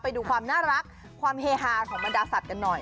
ไปดูความน่ารักความเฮฮาของบรรดาสัตว์กันหน่อย